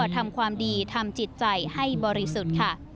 ทำความดีทำจิตใจให้บริสุทธิ์ค่ะ